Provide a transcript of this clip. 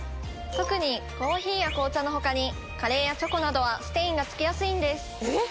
特にコーヒーや紅茶のほかにカレーやチョコなどはステインがつきやすいんです。